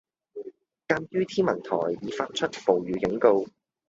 鑑於天文台已發出暴雨警告